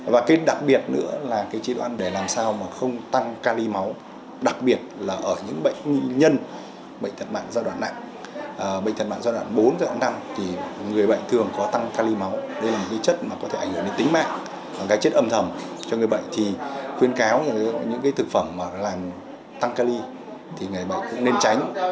và cái đặc biệt nữa là cái chế độ ăn để làm sao mà không tăng ca ly máu đặc biệt là ở những bệnh nhân bệnh thật mạng giai đoạn nặng bệnh thật mạng giai đoạn bốn giai đoạn năm thì người bệnh thường có tăng ca ly máu đây là một cái chất mà có thể ảnh hưởng đến tính mạng cái chất âm thầm cho người bệnh thì khuyên cáo những cái thực phẩm mà làm tăng ca ly thì người bệnh cũng nên tránh